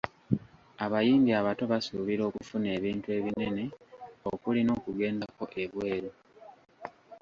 Abayimbi abato basuubira okufuna ebintu ebinene okuli n’okugendako ebweru.